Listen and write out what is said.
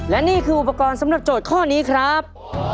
และนี่คืออุปกรณ์สำหรับโจทย์ข้อนี้ครับ